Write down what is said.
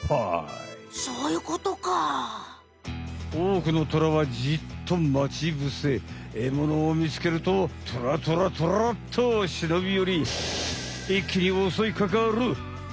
おおくのトラはジッと待ち伏せ獲物を見つけるとトラトラトラッとしのびよりいっきにおそいかかる！